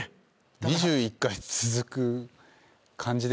２１回続く感じでは。